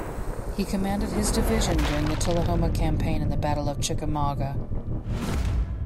He commanded his division during the Tullahoma Campaign and the Battle of Chickamauga.